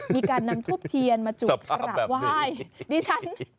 มีการนำทุบเทียนมาจุดหลักไหว้